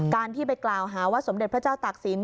การที่ไปกล่าวหาว่าสมเด็จพระเจ้าตากศิลป